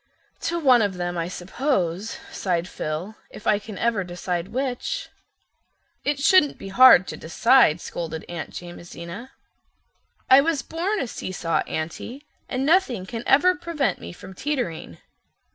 "To one of them, I suppose," sighed Phil, "if I can ever decide which." "It shouldn't be hard to decide," scolded Aunt Jamesina. "I was born a see saw Aunty, and nothing can ever prevent me from teetering."